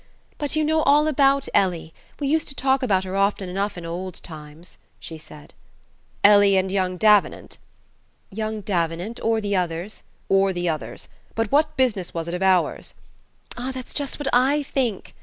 "But you know all about Ellie. We used to talk about her often enough in old times," she said. "Ellie and young Davenant?" "Young Davenant; or the others...." "Or the others. But what business was it of ours?" "Ah, that's just what I think!"